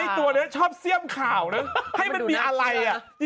ไอ้ตัวเนื้อชอบเสี้ยมข่าวนะให้มันมีอะไรอ่ะ